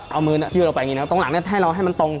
เอามือยืดออกไปอย่างนี้นะตรงหลังเนี่ยให้เราให้มันตรง